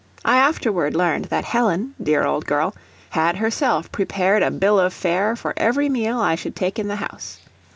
I afterward learned that Helen, dear old girl, had herself prepared a bill of fare for every meal I should take in the house.